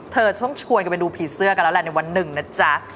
เธอต้องชวนกันไปดูผีเสื้อกันแล้วแหละในวันหนึ่งนะจ๊ะ